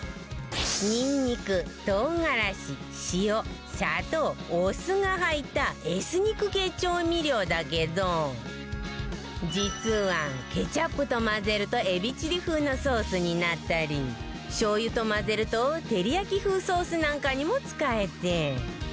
ニンニク唐辛子塩砂糖お酢が入ったエスニック系調味料だけど実はケチャップと混ぜるとエビチリ風のソースになったりしょう油と混ぜると照り焼き風ソースなんかにも使えて